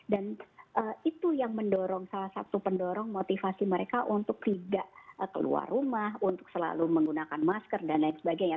itu yang mendorong salah satu pendorong motivasi mereka untuk tidak keluar rumah untuk selalu menggunakan masker dan lain sebagainya